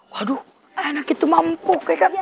waduh enak itu mampu